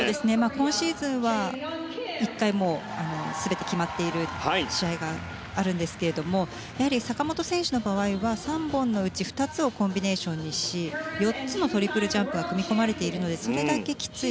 今シーズンは１回全て決まっている試合があるんですが坂本選手の場合は３本のうち２つをコンビネーションにし４つのトリプルジャンプが組み込まれているのでそれだけきつい。